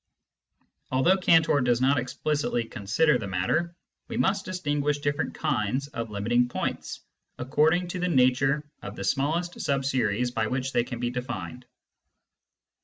Although Cantor does not explicitly consider the matter, we must distinguish different kinds of limiting points according to the nature of the smallest sub series by which they can be defined.